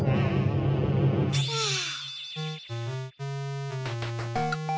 はあ。